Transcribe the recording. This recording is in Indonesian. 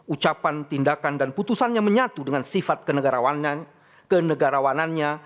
ucapan tindakan dan putusannya menyatu dengan sifat kenegarawanannya